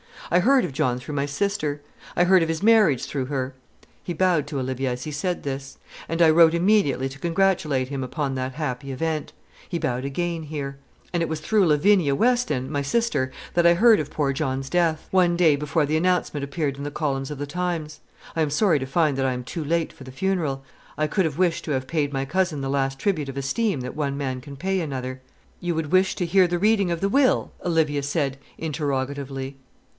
I heard of John through my sister; I heard of his marriage through her," he bowed to Olivia as he said this, "and I wrote immediately to congratulate him upon that happy event," he bowed again here; "and it was through Lavinia Weston, my sister, that I heard of poor John's death; one day before the announcement appeared in the columns of the 'Times.' I am sorry to find that I am too late for the funeral. I could have wished to have paid my cousin the last tribute of esteem that one man can pay another." "You would wish to hear the reading of the will?" Olivia said, interrogatively.